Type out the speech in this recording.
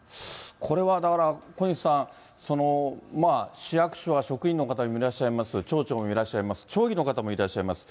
これはだから、小西さん、市役所には職員の方もいらっしゃいます、町長もいらっしゃいます、町議の方もいらっしゃいます。